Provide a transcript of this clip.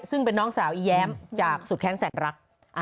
ซึ่งเป็นน้องสาวอีแย้มจากสุดแค้นแสนรัก